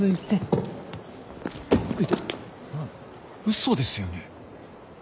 嘘ですよね？